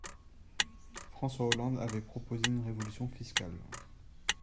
François Hollande avait proposé une révolution fiscale.